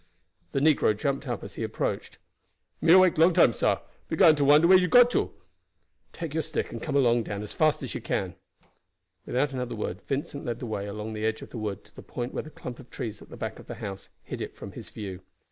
The negro jumped up as he approached. "Me awake long time, sah. Began to wonder where you had got to." "Take your stick and come along, Dan, as fast as you can." Without another word Vincent led the way along the edge of the wood to the point where the clump of trees at the back of the house hid it from his view.